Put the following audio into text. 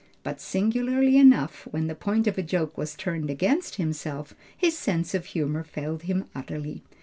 But singularly enough, when the point of a joke was turned against himself, his sense of humor failed him utterly.